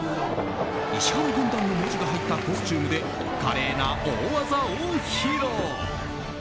「石原軍団」の文字が入ったコスチュームで華麗な大技を披露。